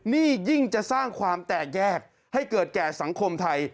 นี่ยิ่งจะสร้างความแตกแยกให้เกิดแก่สังคมไทย